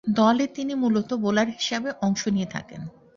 দলে তিনি মূলতঃ বোলার হিসেবে অংশ নিয়ে থাকেন।